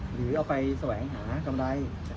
หรือเอาไปแสวงหากำไร